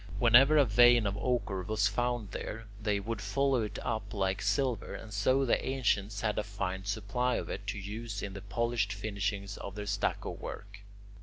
Whenever a vein of ochre was found there, they would follow it up like silver, and so the ancients had a fine supply of it to use in the polished finishings of their stucco work.